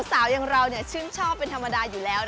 กับการเปิดลอกจินตนาการของเพื่อนเล่นวัยเด็กของพวกเราอย่างโลกของตุ๊กตา